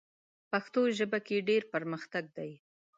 پښتو ژبه کې ډېر پرمختګ دی.